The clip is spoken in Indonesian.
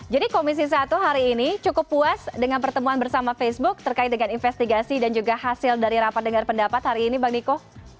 jadi komisi satu hari ini cukup puas dengan pertemuan bersama facebook terkait dengan investigasi dan juga hasil dari rapat dengar pendapat hari ini bang niko